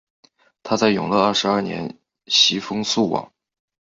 他在永乐二十二年袭封肃王。